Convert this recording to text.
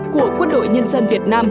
của quân đội nhân dân việt nam